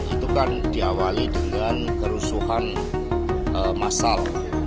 itu kan diawali dengan kerusuhan masal